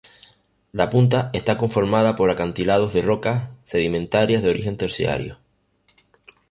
La punta está conformada por acantilados de rocas sedimentarias de origen terciario.